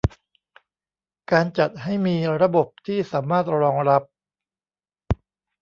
การจัดให้มีระบบที่สามารถรองรับ